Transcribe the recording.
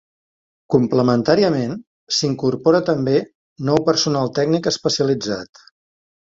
Complementàriament, s'incorpora també nou personal tècnic especialitzat.